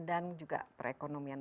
dan juga perekonomian